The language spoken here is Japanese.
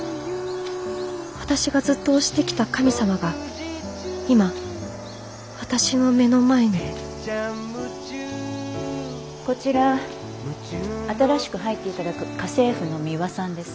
私がずっと推してきた神様が今私の目の前にこちら新しく入って頂く家政婦のミワさんです。